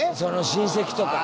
親戚とか。